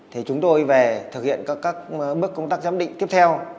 thì chúng tôi về thực hiện các bước công tác giám định tiếp theo